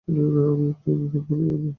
আমি একটি দ্বিধার মধ্যে পড়ে গেছি।